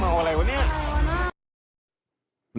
มัวไรนะ